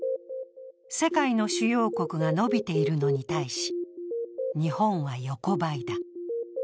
世界の主要国が伸びているのに対し、日本は横ばいだ。